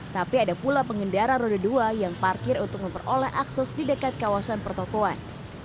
tapi ada pula pengendara roda dua yang parkir untuk memperoleh akses di dekat kawasan pertokohan